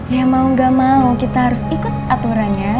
ya mau gak mau kita harus ikut aturannya